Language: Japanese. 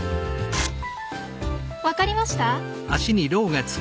分かりました？